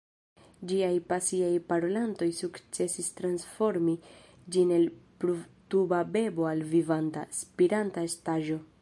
Ĝiaj pasiaj parolantoj sukcesis transformi ĝin el provtuba bebo al vivanta, spiranta estaĵo.